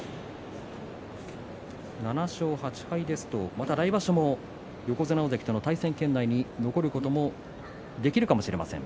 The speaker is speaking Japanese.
７勝８敗ですと、また来場所も横綱大関との対戦圏内に残ることもできるかもしれません翠